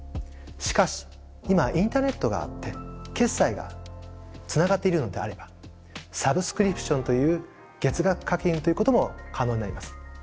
しかし今はインターネットがあって決済がつながっているのであればサブスクリプションという月額課金ということも可能になります。